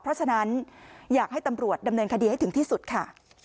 เพราะฉะนั้นอยากให้ตำรวจดำเนินคดีให้ถึงที่สุดค่ะ